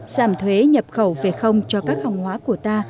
giảm thuế nhập khẩu về không cho các hàng hóa của ta